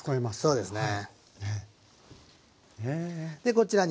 そうですね。